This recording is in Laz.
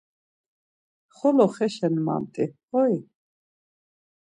Xolo xeşen mamt̆i, hoi?